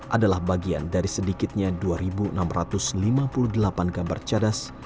adalah bagian dari sedikitnya dua enam ratus lima puluh delapan gambar cadas